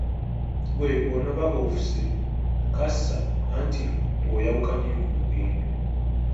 Ggwe onooba ofuuse" kaasa" anti ng'oyawukanye ku mugendo.